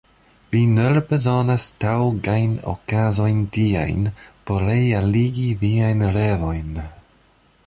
Vi nur bezonas taŭgajn okazojn tiajn, por realigi viajn revojn.